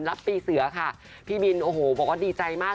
รับปีเสือค่ะพี่บินโอ้โหบอกว่าดีใจมาก